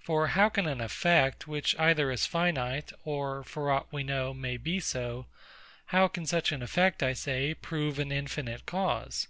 For how can an effect, which either is finite, or, for aught we know, may be so; how can such an effect, I say, prove an infinite cause?